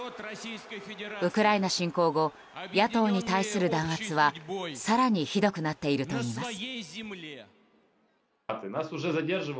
ウクライナ侵攻後野党に対する弾圧は更にひどくなっているといいます。